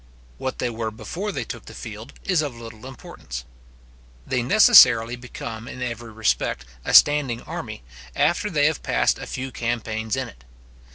What they were before they took the field, is of little importance. They necessarily become in every respect a standing army, after they have passed a few campaigns in it.